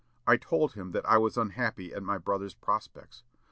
I told him that I was unhappy at my brother's prospects.